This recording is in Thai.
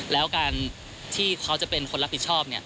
แล้วการที่เขาจะเป็นคนรับผิดชอบ